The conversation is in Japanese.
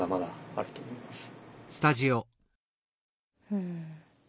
うん。